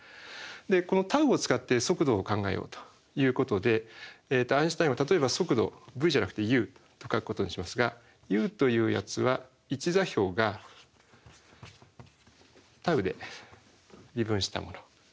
このτを使って速度を考えようということでアインシュタインは例えば速度ｖじゃなくてｕと書くことにしますがｕというやつは位置座標がτで微分したもの。